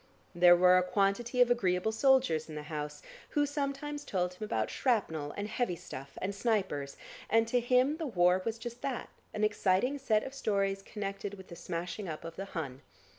There were a quantity of agreeable soldiers in the house, who sometimes told him about shrapnel and heavy stuff and snipers, and to him the war was just that; an exciting set of stories connected with the smashing up of the Hun.